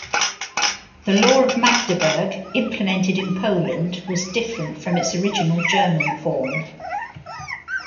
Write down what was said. The Law of Magdeburg implemented in Poland was different from its original German form.